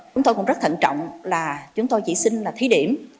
chúng tôi cũng rất thận trọng là chúng tôi chỉ xin là thí điểm